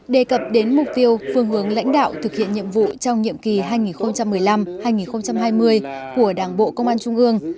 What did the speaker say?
đề cập đến mục tiêu phương hướng lãnh đạo thực hiện nhiệm vụ trong nhiệm kỳ hai nghìn một mươi năm hai nghìn hai mươi của đảng bộ công an trung ương